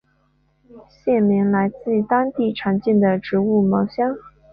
县名来自当地常见的植物茅香。